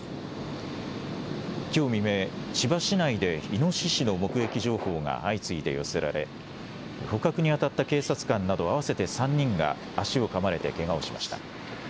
きょう未明、千葉市内でイノシシの目撃情報が相次いで寄せられ、捕獲に当たった警察官など、合わせて３人が足をかまれてけがをしました。